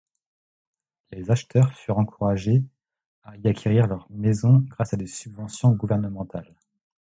Les acheteurs furent encourager à y acquérir leurs maisons grâce à des subventions gouvernementales.